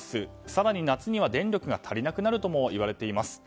更に、夏には電力が足りなくなるともいわれています。